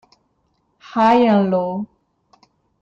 High and Low